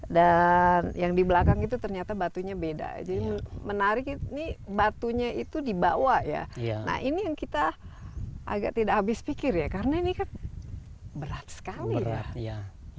dan yang di belakang itu ternyata batunya beda jadi menarik ini batunya itu dibawa ya nah ini yang kita agak tidak habis pikir ya karena ini kan berat sekali ya